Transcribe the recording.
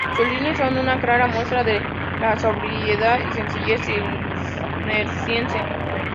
Sus líneas son una clara muestra de la sobriedad y sencillez cisterciense.